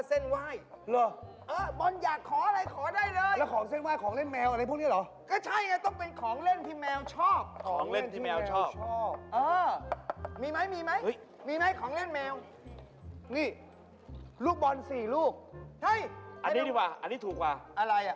แล้วมีชาบ๊วยเจ้าบ๊วยเจ้าบ๊วยเจ้าบ๊วยเจ้าบ๊วยเจ้าบ๊วยเจ้าบ๊วยเจ้าบ๊วยเจ้าบ๊วยเจ้าบ๊วยเจ้าบ๊วยเจ้าบ๊วยเจ้าบ๊วยเจ้าบ๊วยเจ้าบ๊วยเจ้าบ๊วยเจ้าบ๊วยเจ้าบ๊วยเจ้าบ๊วยเจ้าบ๊วยเจ้าบ๊วยเจ้า